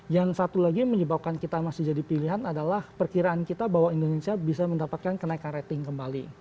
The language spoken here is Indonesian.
yang satu lagi yang menyebabkan kita masih jadi pilihan adalah perkiraan kita bahwa indonesia bisa mendapatkan kenaikan rating kembali